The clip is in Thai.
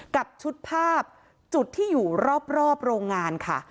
กับชุดภาพจุดที่อยู่รอบโรงงานค่ะ